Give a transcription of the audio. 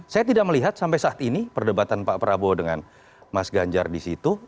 saya tidak melihat sampai saat ini perdebatan pak prabowo dengan mas ganjar di situ